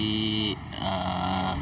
kecepatan yang terbesar